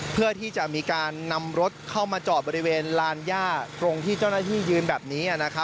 เพื่อที่จะมีการนำรถเข้ามาจอดบริเวณลานย่าตรงที่เจ้าหน้าที่ยืนแบบนี้